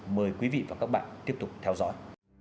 mời quý vị và các bạn tiếp tục theo dõi